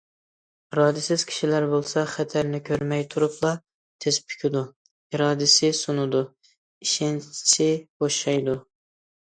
ئىرادىسىز كىشىلەر بولسا خەتەرنى كۆرمەي تۇرۇپلا تىز پۈكىدۇ، ئىرادىسى سۇنىدۇ، ئىشەنچى بوشايدۇ.